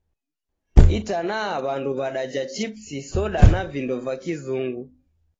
Itanaha w'andu w'adaja chipsi, soda na vindo va Kizungu.